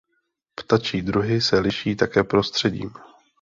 Ptačí druhy se liší také prostředím.